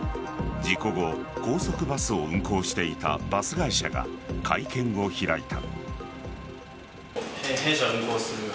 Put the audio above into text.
事故後、高速バスを運行していたバス会社が会見を開いた。